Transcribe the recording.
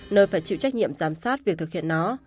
nơi phải chịu trách nhiệm giám sát việc thực hiện nó